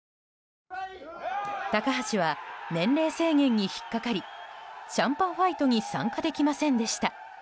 高橋は年齢制限に引っ掛かりシャンパンファイトに参加できませんでした。